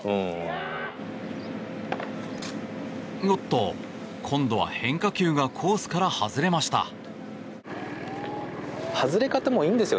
おっと、今度は変化球がコースから外れました。